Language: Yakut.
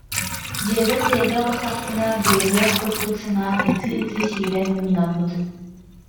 Дьиэбэр тиэрдэ оҕустахпына быыһыах курдук санаан ытыы-ытыы сүүрэн муҥнаммытым